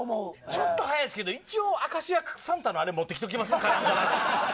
ちょっと早いですけど一応明石家サンタのあれ持ってきます。